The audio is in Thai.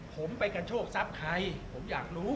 ผมไปกันโชคทรัพย์ใครผมอยากรู้